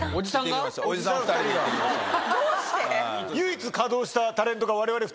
どうして？